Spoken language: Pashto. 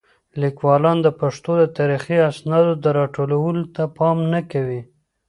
لیکوالان د پښتو د تاریخي اسنادو د راټولولو ته پام نه کوي.